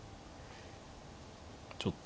ちょっと。